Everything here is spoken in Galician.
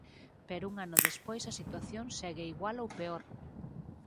Pero un ano despois a situación segue igual ou peor.